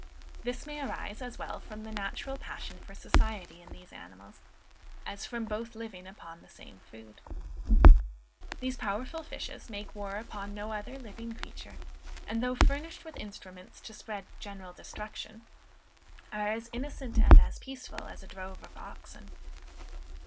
This may arise as well from the natural passion for society in these animals, as from both living upon the same food. These powerful fishes make war upon no other living creature; and, though furnished with instruments to spread general destruction, are as innocent and as peaceful as a drove of oxen.